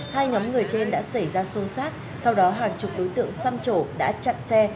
hai nhóm người trên đã xảy ra xô xát sau đó hàng chục đối tượng xăm trổ đã chặn xe